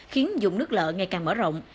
khiến dùng nước lợ ngày càng mở rộng